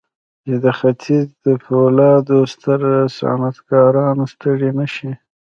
چې د ختيځ د پولادو ستر صنعتکاران ستړي نه شي.